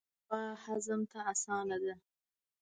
دا میوه هضم ته اسانه ده.